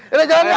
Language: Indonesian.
gila jangan ya